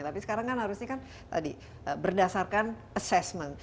tapi sekarang kan harusnya kan tadi berdasarkan assessment